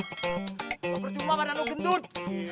gak percuma badan lu gendut